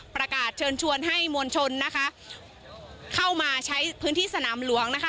ประกาศเชิญชวนให้มวลชนนะคะเข้ามาใช้พื้นที่สนามหลวงนะคะ